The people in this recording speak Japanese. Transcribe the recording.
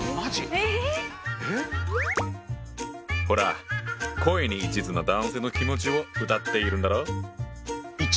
ほら恋に一途な男性の気持ちを歌っているんだろ？